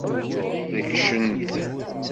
Rekcen-t.